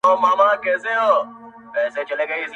سترگي په خوبونو کي راونغاړه_